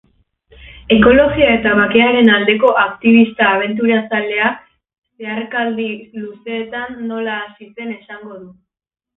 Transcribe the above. Ekologia eta bakearen aldeko aktibista abenturazaleak zeharkaldi luzeetan nola hasi zen esango du.